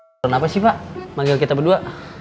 karena apa sih pak manggil kita berdua